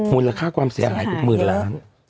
มูลค่าความเสียหายปีก๑๐๐๐๐ล้าน